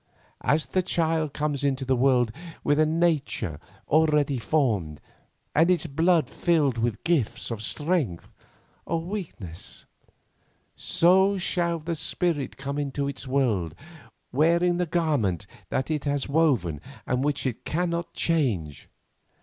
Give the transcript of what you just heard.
As the child comes into the world with a nature already formed, and its blood filled with gifts of strength or weakness, so shall the spirit come into its world wearing the garment that it has woven and which it cannot change."